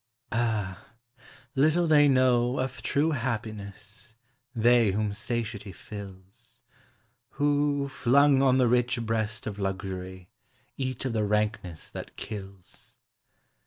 Ah! little they know of true happiness, they whom satiety fills. Who, Hung on the rich breast of luxury, eat of the rankuess that kills.